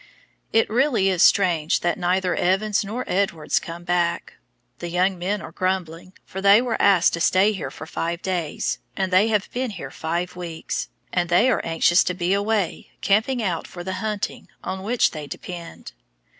It really is strange that neither Evans nor Edwards come back. The young men are grumbling, for they were asked to stay here for five days, and they have been here five weeks, and they are anxious to be away camping out for the hunting, on which they depend.